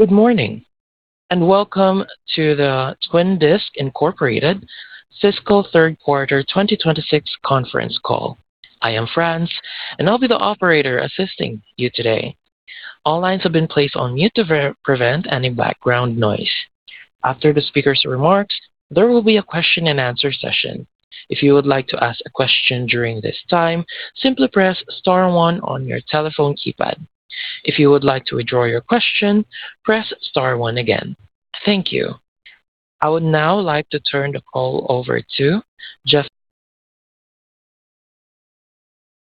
Good morning, and welcome to the Twin Disc, Incorporated Fiscal Third Quarter 2026 Conference Call. I am France, and I'll be the operator assisting you today. All lines have been placed on mute to prevent any background noise. After the speaker's remarks, there will be a question-and-answer session. If you would like to ask a question during this time, simply press star one on your telephone keypad. If you would like to withdraw your question, press star one again. Thank you. I would now like to turn the call over to Jeff,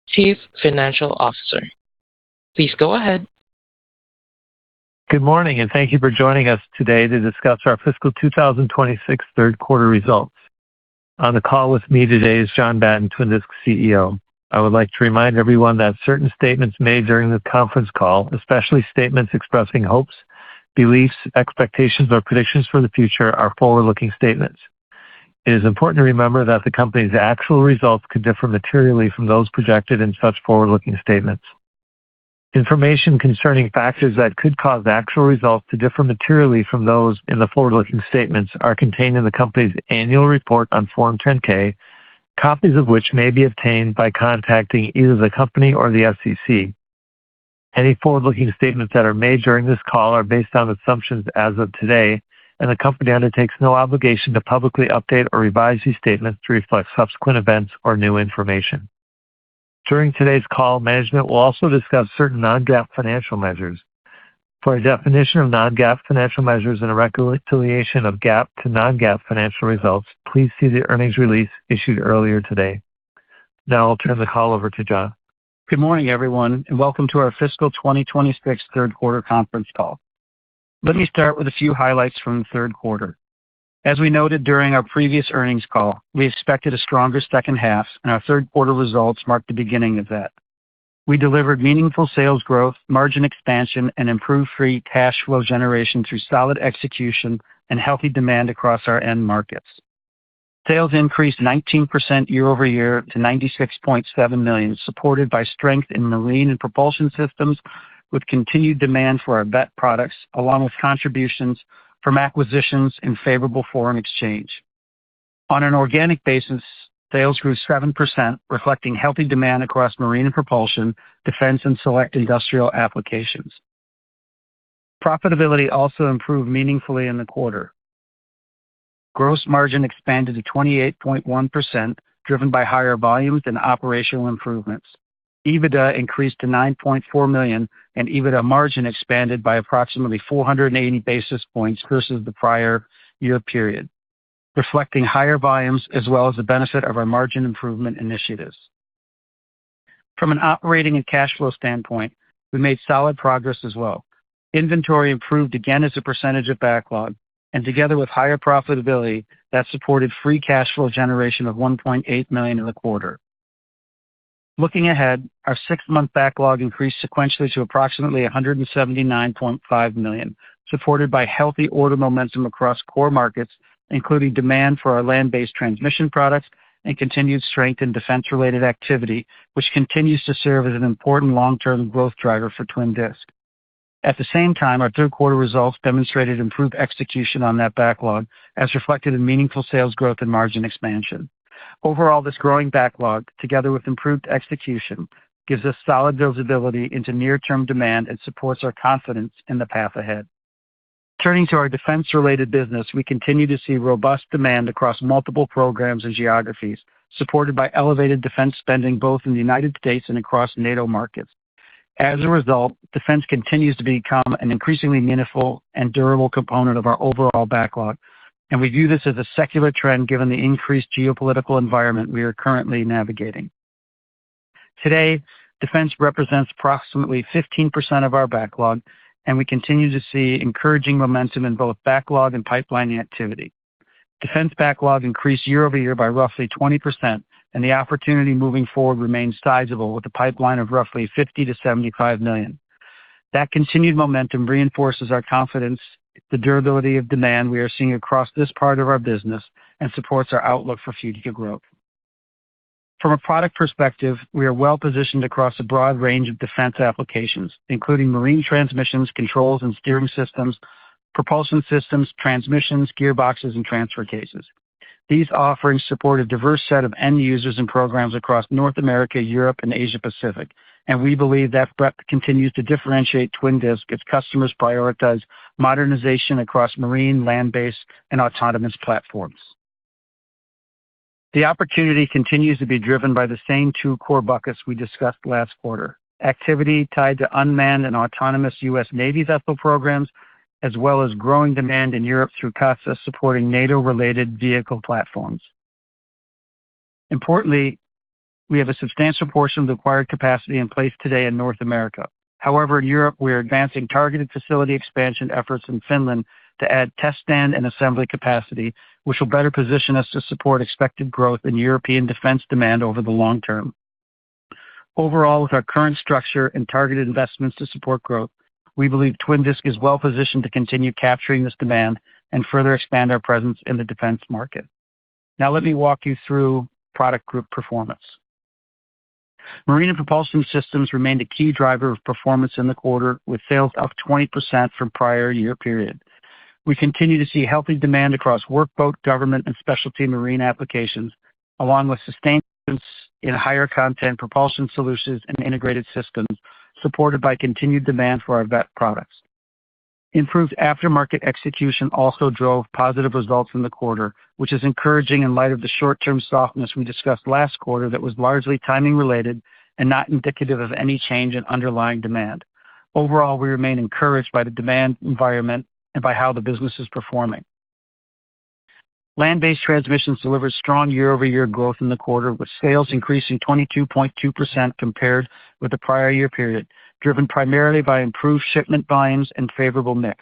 Chief Financial Officer. Please go ahead. Good morning. Thank you for joining us today to discuss our Fiscal 2026 3rd Quarter Results. On the call with me today is John Batten, Twin Disc CEO. I would like to remind everyone that certain statements made during this conference call, especially statements expressing hopes, beliefs, expectations, or predictions for the future are forward-looking statements. It is important to remember that the company's actual results could differ materially from those projected in such forward-looking statements. Information concerning factors that could cause actual results to differ materially from those in the forward-looking statements are contained in the company's annual report on Form 10-K, copies of which may be obtained by contacting either the company or the SEC. Any forward-looking statements that are made during this call are based on assumptions as of today, and the company undertakes no obligation to publicly update or revise these statements to reflect subsequent events or new information. During today's call, management will also discuss certain non-GAAP financial measures. For a definition of non-GAAP financial measures and a reconciliation of GAAP to non-GAAP financial results, please see the earnings release issued earlier today. Now I'll turn the call over to John. Good morning, everyone, and welcome to our Fiscal 2026 Third Quarter Conference Call. Let me start with a few highlights from the third quarter. As we noted during our previous earnings call, we expected a stronger second half, and our third quarter results marked the beginning of that. We delivered meaningful sales growth, margin expansion, and improved free cash flow generation through solid execution and healthy demand across our end markets. Sales increased 19% year-over-year to $96.7 million, supported by strength in Marine and Propulsion Systems with continued demand for our Veth products, along with contributions from acquisitions in favorable foreign exchange. On an organic basis, sales grew 7%, reflecting healthy demand across Marine and Propulsion, defense, and select industrial applications. Profitability also improved meaningfully in the quarter. Gross margin expanded to 28.1%, driven by higher volumes and operational improvements. EBITDA increased to $9.4 million, and EBITDA margin expanded by approximately 480 basis points versus the prior year period, reflecting higher volumes as well as the benefit of our margin improvement initiatives. From an operating and cash flow standpoint, we made solid progress as well. Inventory improved again as a percentage of backlog, and together with higher profitability, that supported free cash flow generation of $1.8 million in the quarter. Looking ahead, our six-month backlog increased sequentially to approximately $179.5 million, supported by healthy order momentum across core markets, including demand for our land-based transmission products and continued strength in defense-related activity, which continues to serve as an important long-term growth driver for Twin Disc. At the same time, our third quarter results demonstrated improved execution on that backlog, as reflected in meaningful sales growth and margin expansion. Overall, this growing backlog, together with improved execution, gives us solid visibility into near-term demand and supports our confidence in the path ahead. Turning to our defense-related business, we continue to see robust demand across multiple programs and geographies, supported by elevated defense spending both in the U.S. and across NATO markets. As a result, defense continues to become an increasingly meaningful and durable component of our overall backlog, and we view this as a secular trend given the increased geopolitical environment we are currently navigating. Today, defense represents approximately 15% of our backlog, and we continue to see encouraging momentum in both backlog and pipeline activity. Defense backlog increased year-over-year by roughly 20%, and the opportunity moving forward remains sizable with a pipeline of roughly $50 million-$75 million. That continued momentum reinforces our confidence, the durability of demand we are seeing across this part of our business, and supports our outlook for future growth. From a product perspective, we are well-positioned across a broad range of defense applications, including Marine Transmissions, controls and steering systems, Propulsion Systems, transmissions, gearboxes, and transfer cases. These offerings support a diverse set of end users and programs across North America, Europe, and Asia Pacific, and we believe that breadth continues to differentiate Twin Disc as customers prioritize modernization across marine, land-based, and autonomous platforms. The opportunity continues to be driven by the same two core buckets we discussed last quarter. Activity tied to unmanned and autonomous U.S. Navy's Veth programs, as well as growing demand in Europe through Katsa supporting NATO-related vehicle platforms. Importantly, we have a substantial portion of the acquired capacity in place today in North America. In Europe, we are advancing targeted facility expansion efforts in Finland to add test stand and assembly capacity, which will better position us to support expected growth in European defense demand over the long term. Overall, with our current structure and targeted investments to support growth, we believe Twin Disc is well-positioned to continue capturing this demand and further expand our presence in the defense market. Let me walk you through product group performance. Marine and Propulsion Systems remained a key driver of performance in the quarter, with sales up 20% from prior year period. We continue to see healthy demand across workboat, government, and specialty marine applications, along with sustained interest in higher content propulsion solutions and integrated systems, supported by continued demand for our Veth products. Improved aftermarket execution also drove positive results in the quarter, which is encouraging in light of the short-term softness we discussed last quarter that was largely timing related and not indicative of any change in underlying demand. Overall, we remain encouraged by the demand environment and by how the business is performing. Land-based Transmissions delivered strong year-over-year growth in the quarter, with sales increasing 22.2% compared with the prior year period, driven primarily by improved shipment volumes and favorable mix.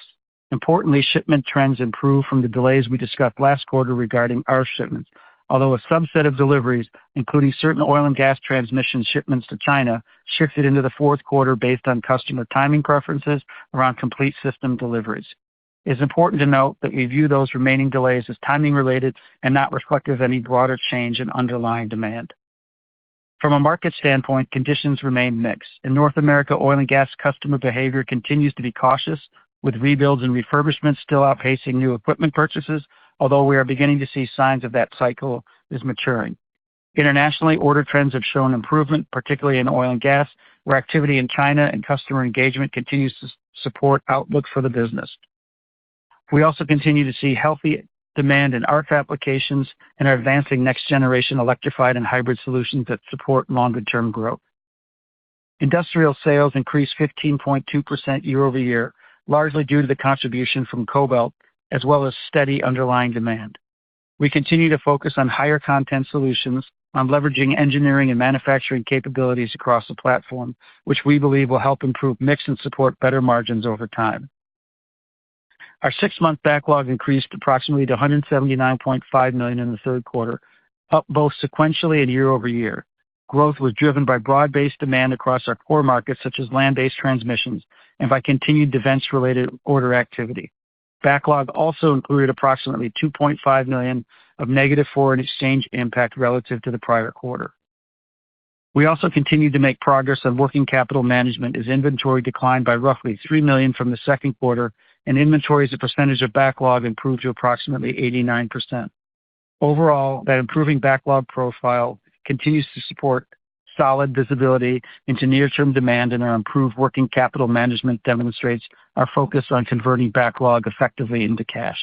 Importantly, shipment trends improved from the delays we discussed last quarter regarding our shipments, although a subset of deliveries, including certain oil and gas transmission shipments to China, shifted into the fourth quarter based on customer timing preferences around complete system deliveries. It's important to note that we view those remaining delays as timing related and not reflective of any broader change in underlying demand. From a market standpoint, conditions remain mixed. In North America, oil and gas customer behavior continues to be cautious, with rebuilds and refurbishments still outpacing new equipment purchases, although we are beginning to see signs of that cycle is maturing. Internationally, order trends have shown improvement, particularly in oil and gas, where activity in China and customer engagement continues to support outlook for the business. We also continue to see healthy demand in ARFF applications and are advancing next-generation electrified and hybrid solutions that support longer-term growth. Industrial sales increased 15.2% year-over-year, largely due to the contribution from Kobelt as well as steady underlying demand. We continue to focus on higher content solutions, on leveraging engineering and manufacturing capabilities across the platform, which we believe will help improve mix and support better margins over time. Our six-month backlog increased approximately to $179.5 million in the third quarter, up both sequentially and year-over-year. Growth was driven by broad-based demand across our core markets, such as land-based transmissions and by continued defense-related order activity. Backlog also included approximately $2.5 million of negative foreign exchange impact relative to the prior quarter. We also continued to make progress on working capital management as inventory declined by roughly $3 million from the second quarter, and inventory as a percentage of backlog improved to approximately 89%. Overall, that improving backlog profile continues to support solid visibility into near-term demand, and our improved working capital management demonstrates our focus on converting backlog effectively into cash.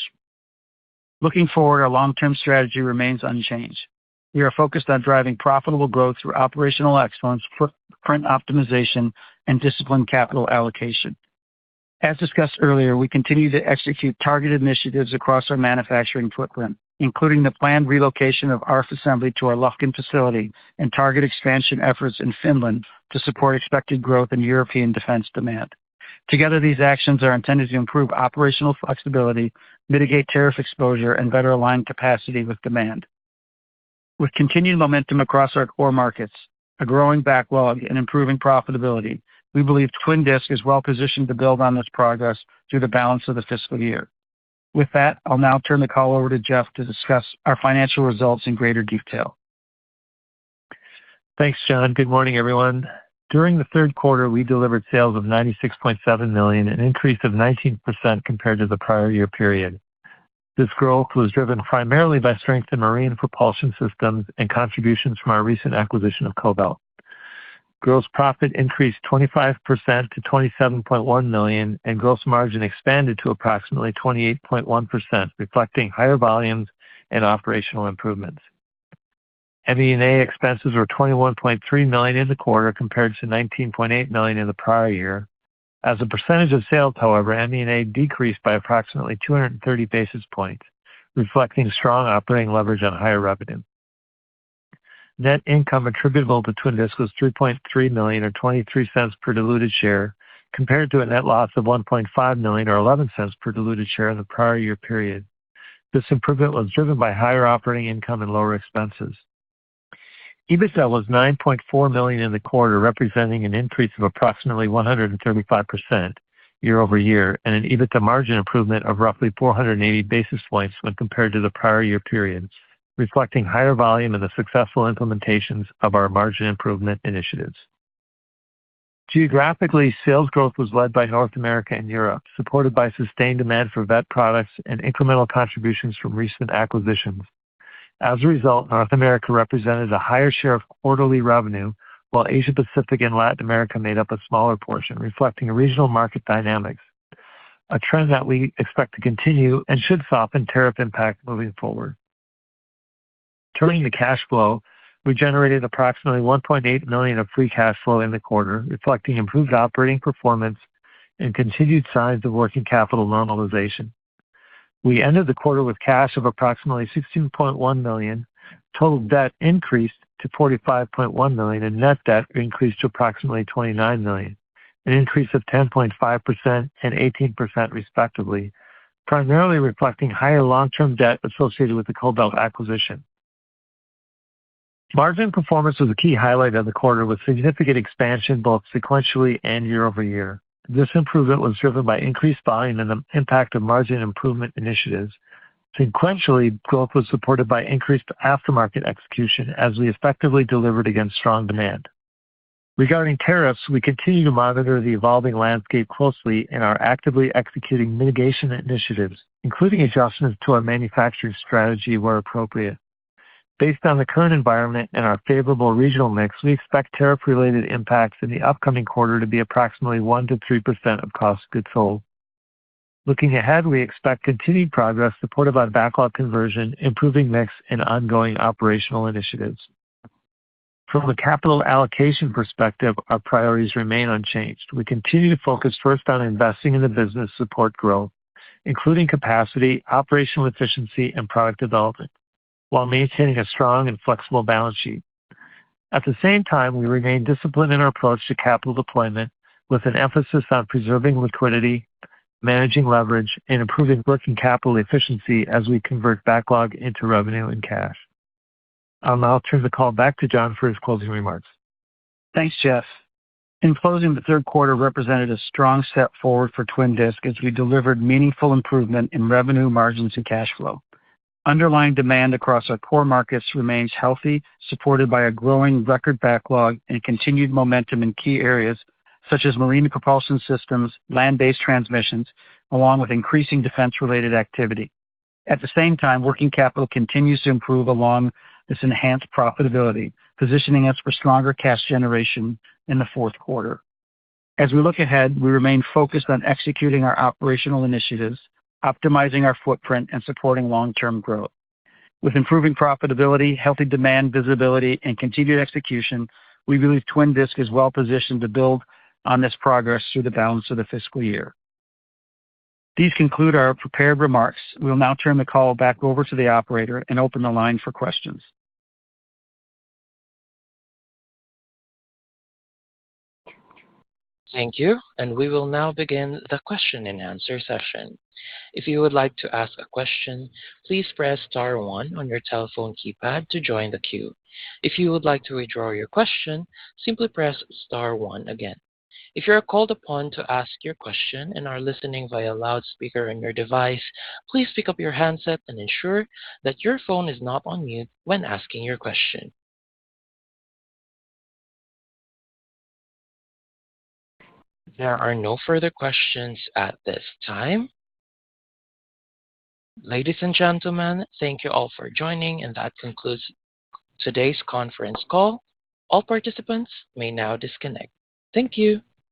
Looking forward, our long-term strategy remains unchanged. We are focused on driving profitable growth through operational excellence, footprint optimization, and disciplined capital allocation. As discussed earlier, we continue to execute targeted initiatives across our manufacturing footprint, including the planned relocation of ARF assembly to our Lufkin facility and target expansion efforts in Finland to support expected growth in European defense demand. Together, these actions are intended to improve operational flexibility, mitigate tariff exposure, and better align capacity with demand. With continued momentum across our core markets, a growing backlog, and improving profitability, we believe Twin Disc is well positioned to build on this progress through the balance of the fiscal year. With that, I'll now turn the call over to Jeff to discuss our financial results in greater detail. Thanks, John. Good morning, everyone. During the third quarter, we delivered sales of $96.7 million, an increase of 19% compared to the prior year period. This growth was driven primarily by strength in Marine Propulsion Systems and contributions from our recent acquisition of Kobelt. Gross profit increased 25% to $27.1 million, and gross margin expanded to approximately 28.1%, reflecting higher volumes and operational improvements. SG&A expenses were $21.3 million in the quarter compared to $19.8 million in the prior year. As a percentage of sales, however, SG&A decreased by approximately 230 basis points, reflecting strong operating leverage on higher revenue. Net income attributable to Twin Disc was $3.3 million or $0.23 per diluted share, compared to a net loss of $1.5 million or $0.11 per diluted share in the prior year period. This improvement was driven by higher operating income and lower expenses. EBITDA was $9.4 million in the quarter, representing an increase of approximately 135% year-over-year, and an EBITDA margin improvement of roughly 480 basis points when compared to the prior year period, reflecting higher volume and the successful implementations of our margin improvement initiatives. Geographically, sales growth was led by North America and Europe, supported by sustained demand for Veth products and incremental contributions from recent acquisitions. As a result, North America represented a higher share of quarterly revenue, while Asia-Pacific and Latin America made up a smaller portion, reflecting regional market dynamics, a trend that we expect to continue and should soften tariff impact moving forward. Turning to cash flow, we generated approximately $1.8 million of free cash flow in the quarter, reflecting improved operating performance and continued signs of working capital normalization. We ended the quarter with cash of approximately $16.1 million. Total debt increased to $45.1 million, and net debt increased to approximately $29 million, an increase of 10.5% and 18% respectively, primarily reflecting higher long-term debt associated with the Kobelt acquisition. Margin performance was a key highlight of the quarter, with significant expansion both sequentially and year-over-year. This improvement was driven by increased volume and the impact of margin improvement initiatives. Sequentially, growth was supported by increased aftermarket execution as we effectively delivered against strong demand. Regarding tariffs, we continue to monitor the evolving landscape closely and are actively executing mitigation initiatives, including adjustments to our manufacturing strategy where appropriate. Based on the current environment and our favorable regional mix, we expect tariff-related impacts in the upcoming quarter to be approximately 1% to 3% of cost of goods sold. Looking ahead, we expect continued progress supported by backlog conversion, improving mix, and ongoing operational initiatives. From a capital allocation perspective, our priorities remain unchanged. We continue to focus first on investing in the business support growth, including capacity, operational efficiency, and product development while maintaining a strong and flexible balance sheet. At the same time, we remain disciplined in our approach to capital deployment with an emphasis on preserving liquidity, managing leverage, and improving working capital efficiency as we convert backlog into revenue and cash. I'll now turn the call back to John for his closing remarks. Thanks, Jeff. In closing, the third quarter represented a strong step forward for Twin Disc as we delivered meaningful improvement in revenue margins and cash flow. Underlying demand across our core markets remains healthy, supported by a growing record backlog and continued momentum in key areas such as marine propulsion systems, land-based transmissions, along with increasing defense-related activity. At the same time, working capital continues to improve along this enhanced profitability, positioning us for stronger cash generation in the fourth quarter. As we look ahead, we remain focused on executing our operational initiatives, optimizing our footprint, and supporting long-term growth. With improving profitability, healthy demand visibility, and continued execution, we believe Twin Disc is well-positioned to build on this progress through the balance of the fiscal year. These conclude our prepared remarks. We'll now turn the call back over to the operator and open the line for questions. Thank you. We will now begin the question-and-answer session. If you would like to ask a question, please press star one on your telephone keypad to join the queue. If you would like to withdraw your question, simply press star one again. If you are called upon to ask your question and are listening via loudspeaker on your device, please pick up your handset and ensure that your phone is not on mute when asking your question. There are no further questions at this time. Ladies and gentlemen, thank you all for joining, and that concludes today's conference call. All participants may now disconnect. Thank you.